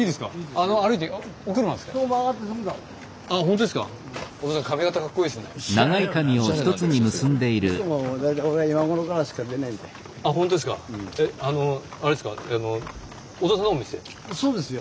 あのそうですよ。